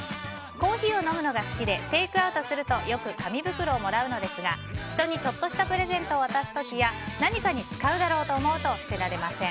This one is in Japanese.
コーヒーを飲むのが好きでテイクアウトするとよく紙袋をもらうのですが人にちょっとしたプレゼントを渡す時や何かに使うだろうと思うと捨てられません。